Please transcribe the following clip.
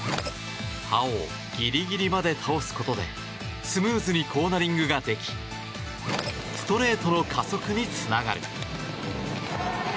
刃をぎりぎりまで倒すことでスムーズにコーナリングができストレートの加速につながる。